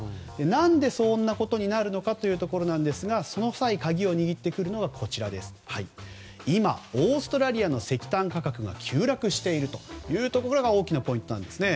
何でそんなことになるかということですがその際、鍵を握るのが今、オーストラリアの石炭価格が急落しているところが大きなポイントなんですね。